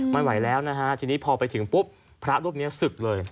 ไม่ไหวแล้วนะฮะทีนี้พอไปถึงปุ๊บพระรูปนี้ศึกเลย